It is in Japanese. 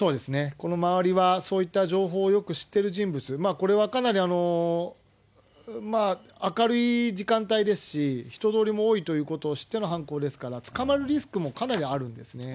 この周りはそういった情報をよく知っている人物、これはかなり明るい時間帯ですし、人通りも多いということを知っての犯行ですから、捕まるリスクもかなりあるんですね。